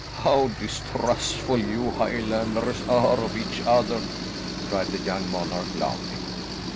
"How distrustful you Highlanders are of each other!" cried the young monarch laughing.